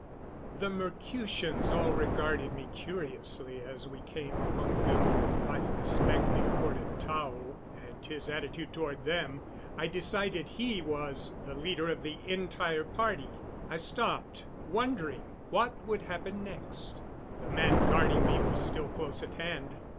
The Mercutians all regarded me curiously as we came among them. By the respect they accorded Tao, and his attitude toward them, I decided he was the leader of the entire party. I stopped, wondering what would happen next. The man guarding me was still close at hand.